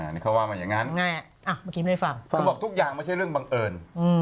นี่เขาว่ามันอย่างงั้นเขาบอกทุกอย่างไม่ใช่เรื่องบังเอิญ